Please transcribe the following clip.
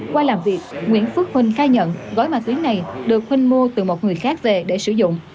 qua làm việc nguyễn phước huynh khai nhận gói ma túy này được huynh mua từ một người khác về để sử dụng